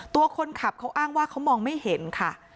ตัวคนขับเขาอ้างว่าเขามองไม่เห็นค่ะ